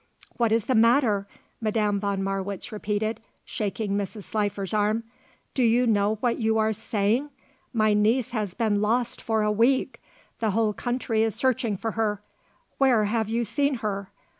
"What is the matter?" Madame von Marwitz repeated, shaking Mrs. Slifer's arm. "Do you know what you are saying? My niece has been lost for a week! The whole country is searching for her! Where have you seen her?